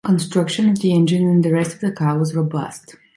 Construction of the engine and the rest of the car was robust.